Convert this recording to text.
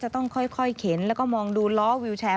ต้องค่อยเข็นแล้วก็มองดูล้อวิวแชร์